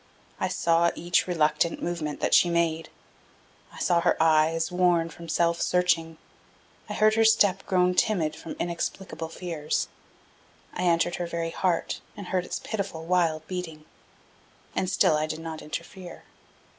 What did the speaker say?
I saw each reluctant movement that she made. I saw her eyes, worn from self searching; I heard her step grown timid from inexplicable fears; I entered her very heart and heard its pitiful, wild beating. And still I did not interfere.